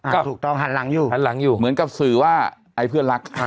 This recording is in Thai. ถูกต้องหันหลังอยู่เหมือนกับสื่อว่าไอ้เพื่อนรัก